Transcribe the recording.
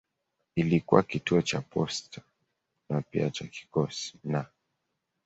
Ilikuwa kituo cha posta na pia cha kikosi na.